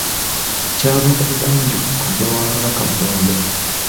Kyava ku Ggunju kojja wa Kabaka Mulondo.